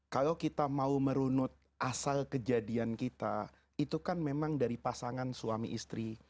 kalau kita mau merunut asal kejadian kita itu kan memang dari pasangan suami istri